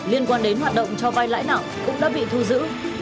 liên quan đến hoạt động cho vai lãi nặng cũng đã bị thu giữ